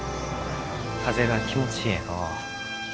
風が気持ちえいのう。